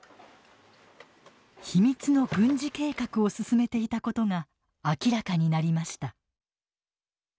秘密の軍事計画を進めていたことが明らかになりました。